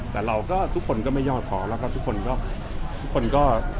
แต่เราก็ทุกคนก็ไม่ยอดท้อแล้วก็ทุกคนก็ทุกคนก็